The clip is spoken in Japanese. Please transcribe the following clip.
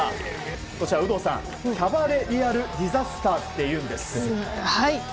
こちらキャバレリアルディザスターっていうんです。